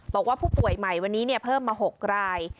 บอกว่าผู้ป่วยใหม่วันนี้เพิ่มมา๖ราย